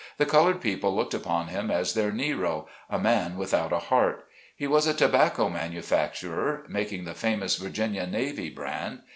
The colored people looked upon him as their Nero, a man without a heart. He was a tobacco manufacturer, making the famous Virginia Navy Brand.